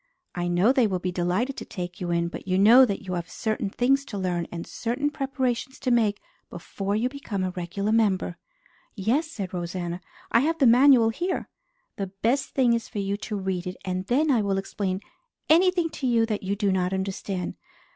"I know they will be delighted to take you in; but you know that you have certain things to learn and certain preparations to make before you become a regular member." "Yes," said Rosanna. "I have the manual here." "The best thing is for you to read it and then I will explain anything to you that you do not understand.